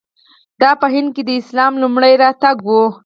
دا په هند کې د اسلام لومړی راتګ و.